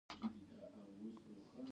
کومه غلطي رانه شوې.